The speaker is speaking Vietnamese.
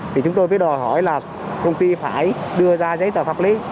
thì chúng tôi mới đòi hỏi là công ty phải đưa ra giấy tờ pháp lý